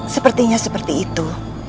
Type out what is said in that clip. sepertinya seperti itu